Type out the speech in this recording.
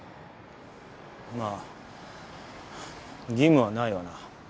まあ義務はないわな。